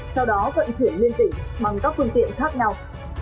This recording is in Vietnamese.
sau đó vận chuyển liên tỉnh bằng các phương tiện khác nhau